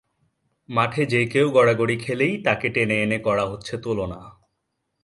মাঠে যে কেউ গড়াগড়ি খেলেই তাঁকে টেনে এনে করা হচ্ছে তুলনা।